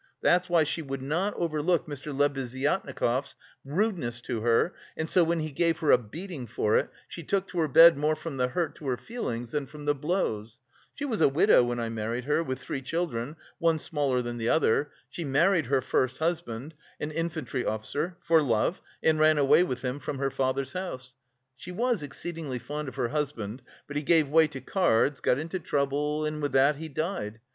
That's why she would not overlook Mr. Lebeziatnikov's rudeness to her, and so when he gave her a beating for it, she took to her bed more from the hurt to her feelings than from the blows. She was a widow when I married her, with three children, one smaller than the other. She married her first husband, an infantry officer, for love, and ran away with him from her father's house. She was exceedingly fond of her husband; but he gave way to cards, got into trouble and with that he died.